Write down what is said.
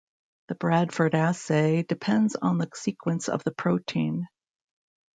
The Bradford assay depends on the sequence of the protein.